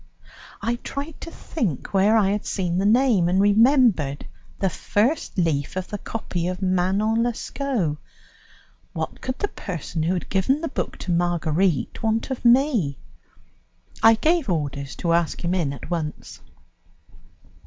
I tried to think where I had seen the name, and remembered the first leaf of the copy of Manon Lescaut. What could the person who had given the book to Marguerite want of me? I gave orders to ask him in at once.